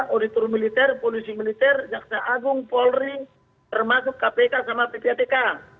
auditor militer polisi militer jaksa agung polri termasuk kpk sama ppatk